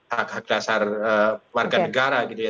hak hak dasar warga negara gitu ya